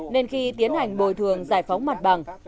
nên khi tiến hành bồi thường giải phóng mặt bằng